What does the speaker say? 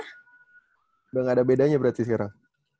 sudah gak ada bedanya berarti sekarang